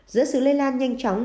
giữa sự lây lan nhanh chóng